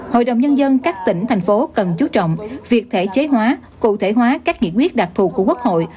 hội đồng nhân dân các tỉnh thành phố cần chú trọng việc thể chế hóa cụ thể hóa các nghị quyết đặc thù của quốc hội